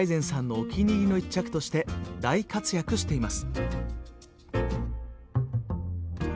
お気に入りの一着として大活躍しています。